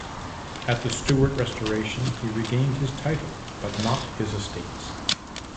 At the Stuart Restoration he regained his title but not his estates.